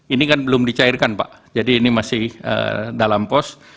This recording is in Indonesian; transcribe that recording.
ini kan belum dicairkan pak jadi ini masih dalam pos